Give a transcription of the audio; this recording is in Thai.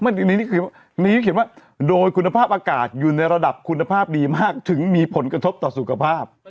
อันนี้คืออันนี้เขาเขียนว่าโดยคุณภาพอากาศอยู่ในระดับคุณภาพดีมากถึงมีผลกระทบต่อสุขภาพ